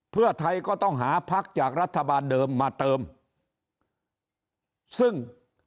เพื่อไทยก็ต้องหาพักจากรัฐบาลเดิมมาเติมซึ่ง